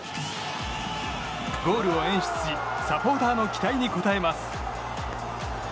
ゴールを演出しサポーターの期待に応えます。